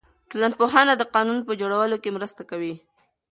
ټولنپوهنه د قانون په جوړولو کې مرسته کوي.